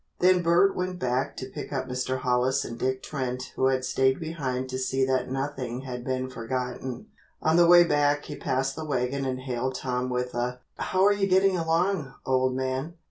Then Bert went back to pick up Mr. Hollis and Dick Trent who had stayed behind to see that nothing had been forgotten. On the way back he passed the wagon and hailed Tom with a "How are you getting along, old man?"